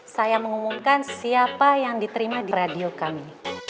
saya mengumumkan siapa yang diterima di radio kami